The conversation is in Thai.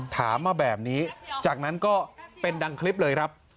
ถามมาแบบนี้จากนั้นก็เป็นดังคลิปเลยครับ